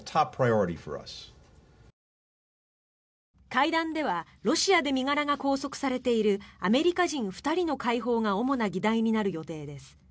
会談ではロシアで身柄が拘束されているアメリカ人２人の解放が主な議題になる予定です。